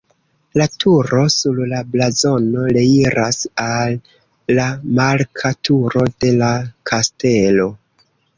La turo sur la blazono reiras al la marka turo de la kastelo.